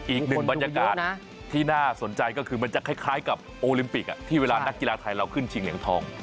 อีกหนึ่งบรรยากาศที่น่าสนใจก็คือมันจะคล้ายกับโอลิมปิกที่เวลานักกีฬาไทยเราขึ้นชิงเหรียญทอง